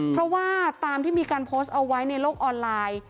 เพราะว่าตามที่มีการโพสต์เอาไว้ในโลกออนไลน์